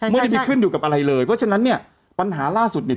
ไม่ได้ไปขึ้นอยู่กับอะไรเลยเพราะฉะนั้นเนี่ยปัญหาล่าสุดเนี่ย